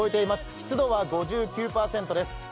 湿度は５９％です。